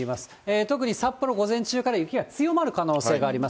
特に札幌、午前中から雪が強まる可能性あります。